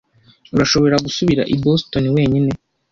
Urashobora gusubira i Boston wenyine?